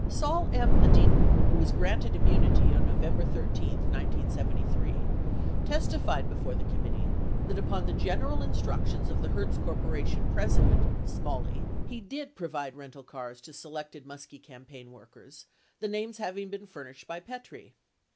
Sol M. Edidin, who was granted immunity on November 13, 1973, testified before the committee that upon the general instructions of the Hertz Corp. president, Smalley, he did provide rental cars to selected Muskie campaign workers, the names having been furnished by Petrie.